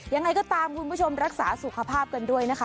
ยังไงก็ตามคุณผู้ชมรักษาสุขภาพกันด้วยนะคะ